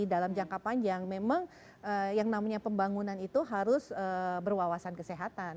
dalam jangka panjang memang yang namanya pembangunan itu harus berwawasan kesehatan